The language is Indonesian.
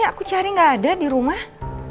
eh aku cari nggak ada di rumah